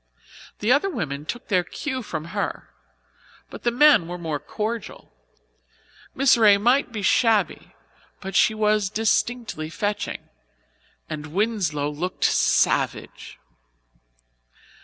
The other women took their cue from her, but the men were more cordial. Miss Ray might be shabby, but she was distinctly fetching, and Winslow looked savage.